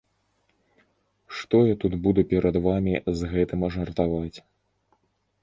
Што я тут буду перад вамі з гэтым жартаваць.